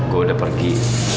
gue udah pergi